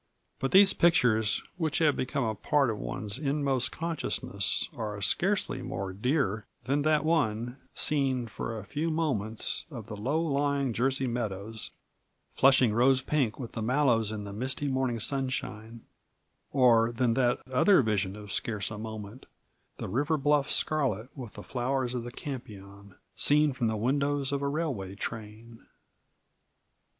But these pictures which have become a part of one's inmost consciousness are scarcely more dear than that one, seen for a few moments, of the low lying Jersey meadows flushing rose pink with the mallows in the misty morning sunshine; or than that other 'vision of scarce a moment,' the river bluff scarlet with the flowers of the campion, seen from the windows of a railway train.